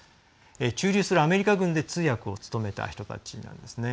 駐留するアメリカ軍で通訳を務めた人たちです。